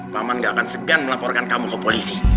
paman gak akan segan melaporkan kamu ke polisi